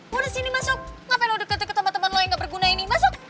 gue udah sini masuk ngapain lo deket deket sama temen lo yang gak berguna ini masuk